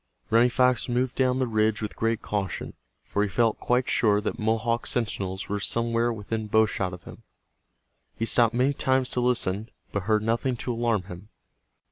Running Fox moved down the ridge with great caution, for he felt quite sure that Mohawk sentinels were somewhere within bow shot of him. He stopped many times to listen, but heard nothing to alarm him.